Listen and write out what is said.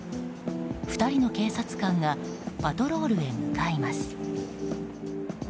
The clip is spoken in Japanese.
２人の警察官がパトロールへ向かいます。